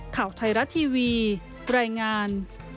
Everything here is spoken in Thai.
ข่าวไทยรัฐทีวีรายงาน